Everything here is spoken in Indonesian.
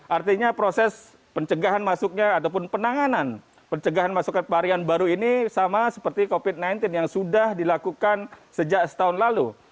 artinya proses pencegahan masuknya ataupun penanganan pencegahan masukan varian baru ini sama seperti covid sembilan belas yang sudah dilakukan sejak setahun lalu